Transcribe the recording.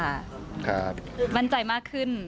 ครับมั่นใจมากขึ้น